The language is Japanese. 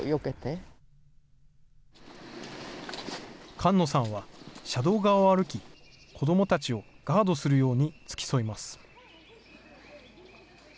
菅野さんは車道側を歩き、子どもたちをガードするように付き添います。